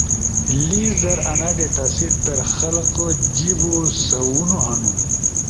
لیس در آنا ڈیٹا سیٹ در خلکو جیبو سوونو ہنُو۔